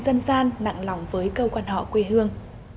dân gian nặng lòng với câu quan họ quê hương